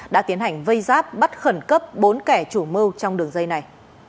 đã tiến hành vây giáp bắt khẩn cấp bốn kẻ chủ mưu trong đường dây này